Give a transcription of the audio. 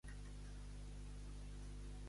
Treu l'aplicació Twitter de la pantalla.